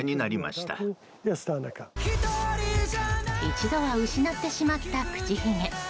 一度は失ってしまった口ひげ。